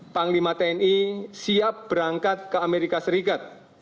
panglima tni siap berangkat ke amerika serikat